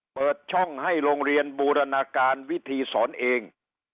เปิดช่องให้โรงเรียนบูรณาการวิธีสอนเอง